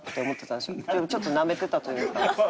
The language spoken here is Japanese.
ちょっとなめてたというか。